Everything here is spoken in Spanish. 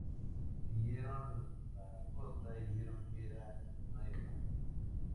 Siguieron la costa y vieron que era una isla.